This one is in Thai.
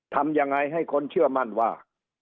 ทำยังไงให้คนเชื่อมั่นว่า